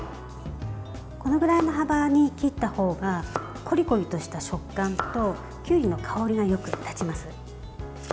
このぐらいの幅に切った方がコリコリとした食感ときゅうりの香りがよく立ちます。